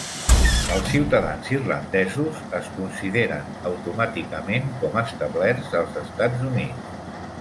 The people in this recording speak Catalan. Els ciutadans irlandesos es consideren automàticament com "establerts" als Estats Units.